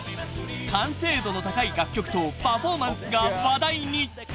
［完成度の高い楽曲とパフォーマンスが話題に］